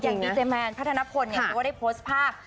อย่างดีเจเมนพัฒนาพลคือว่าได้โพสต์ภาค